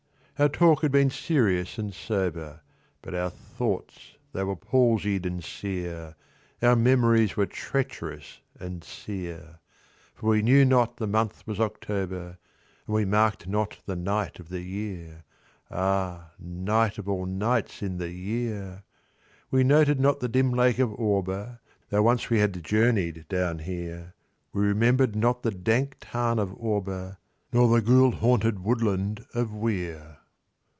Our talk had been serious and sober, But our thoughts they were palsied and sere— Our memories were treacherous and sere; For we knew not the month was October, And we marked not the night of the year— (Ah, night of all nights in the year!) We noted not the dim lake of Auber, (Though once we had journeyed down here) We remembered not the dank tarn of Auber, Nor the ghoul haunted woodland of Weir.